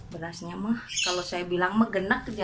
berasnya mah kalau saya bilang menggenak